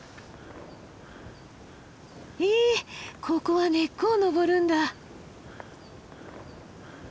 へえここは根っこを登るんだ。